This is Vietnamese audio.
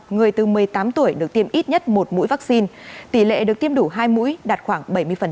người từ một mươi tám tuổi được tiêm ít nhất một mũi vaccine tỷ lệ được tiêm đủ hai mũi đạt khoảng bảy mươi